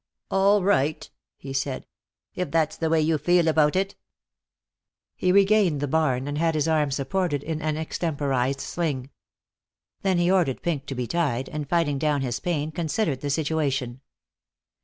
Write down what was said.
"All right," he said, "if that's the way you feel about it!" He regained the barn and had his arm supported in an extemporized sling. Then he ordered Pink to be tied, and fighting down his pain considered the situation.